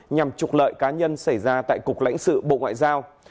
nhằm trục lợi cá nhân xảy ra tại cục lãnh sự bộ ngoại giao